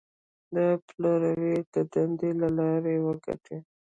د پلور د دندې له لارې وګټئ.